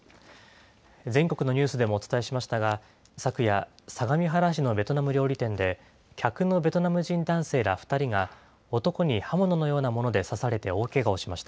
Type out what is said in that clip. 全国のニュースでもお伝えしましたが、昨夜、相模原市のベトナム料理店で、客のベトナム人男性ら２人が、男に刃物のようなもので刺されて大けがをしました。